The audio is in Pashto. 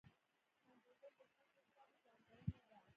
• خندېدل د ښو دوستانو ځانګړنه ده.